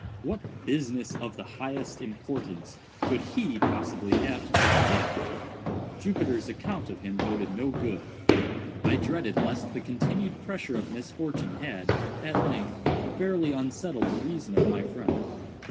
What "business of the highest importance" could he possibly have to transact? Jupiter's account of him boded no good. I dreaded lest the continued pressure of misfortune had, at length, fairly unsettled the reason of my friend.